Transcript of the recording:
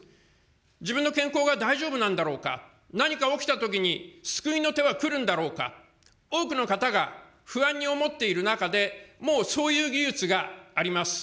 自分の健康が大丈夫なんだろうか、何か起きたときに救いの手は来るんだろうか、多くの方が不安に思っている中で、もうそういう技術があります。